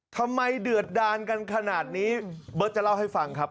เดือดดานกันขนาดนี้เบิร์ตจะเล่าให้ฟังครับ